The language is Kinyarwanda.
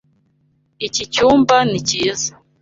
Iki cyumba ni cyiza.